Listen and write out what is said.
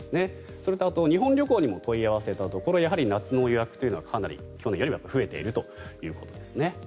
それと日本旅行にも問い合わせたところやはり夏の予約というのは去年よりは増えているということですね。